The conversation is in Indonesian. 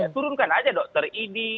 turunkan saja dokter ini